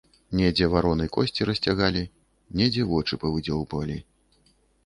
Недзе вароны косці расцягалі, недзе вочы павыдзёўбвалі.